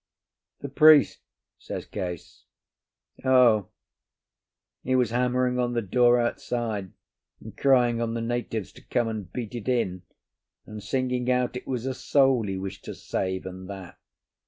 "The priest?" says Case. "O! he was hammering on the door outside, and crying on the natives to come and beat it in, and singing out it was a soul he wished to save, and that.